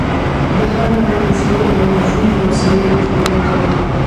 د هر نوع وسلې او وژونکو وسایلو مخنیوی کول.